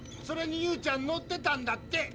それにユーちゃん乗ってたんだって。